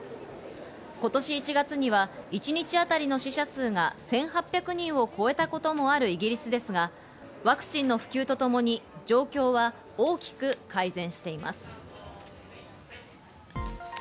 今年１月には一日当たりの死者数が１８００人を超えたこともあるイギリスですが、ワクチンの普及とともに状況は大きく改善しています。